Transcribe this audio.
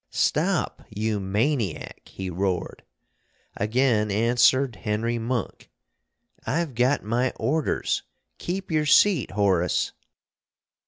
"Stop, you maniac!" he roared. Again answered Henry Monk: "I've got my orders! _Keep your seat, Horace!